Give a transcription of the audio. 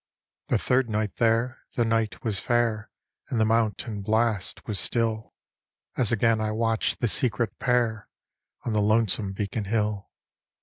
" The third night there, the night was fair, And the mountain blast was still, As ^ain I watch'd the secret pair. On the lonesome Beacon Hill.